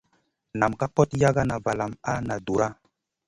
Nam ka kot yagana valam a na dura.